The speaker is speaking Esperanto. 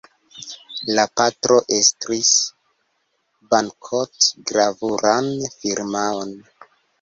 La patro estris banknot-gravuran firmaon.